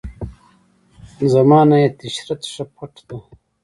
زما نئی تیشرت ښه فټ ده.